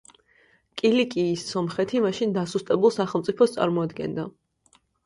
კილიკიის სომხეთი მაშინ დასუსტებულ სახელმწიფოს წარმოადგენდა.